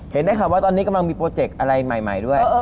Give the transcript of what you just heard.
ได้ข่าวว่าตอนนี้กำลังมีโปรเจกต์อะไรใหม่ด้วย